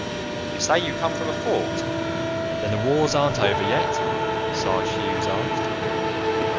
"You say you come from a fort? Then the wars aren't over yet?" Sarge Hughes asked.